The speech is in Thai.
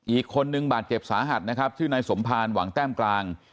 อีกคนนึงบาดเจ็บสาหัสนะครับชื่อนายสมภารหวังแต้มกลาง